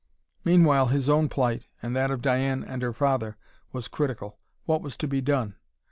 Meanwhile his own plight, and that of Diane and her father, was critical. What was to be done?